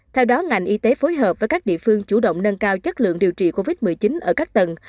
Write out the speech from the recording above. theo đó ngành y tế phối hợp với các địa phương chủ động nâng cao chất lượng điều trị covid một mươi chín ở các tầng